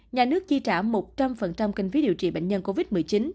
nhà nước chi trả một trăm linh kinh phí điều trị bệnh nhân covid một mươi chín